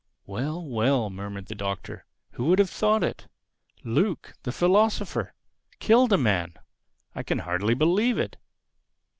"Well, well!" murmured the Doctor. "Who would have thought it?—Luke, the philosopher!—Killed a man!—I can hardly believe it."